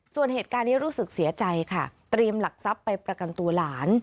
ส่วนเหตุการณ์นี้รู้สึกเสียใจค่ะเตรียมหลักทรัพย์ไปประกันตัวหลาน